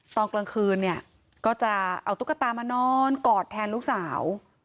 ตอนกลางคืนเนี่ยก็จะเอาตุ๊กตามานอนกอดแทนลูกสาว